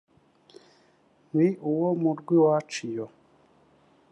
ni uwo mu rwiwacu iyo